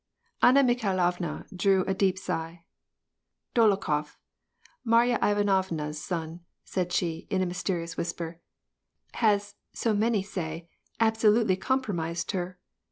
na Mikhailovna drew a deep sigh. " Dolokhof, Marya ovna's son " said she, in a mysterious whisper, '^ has, so say, absolutely compromised her.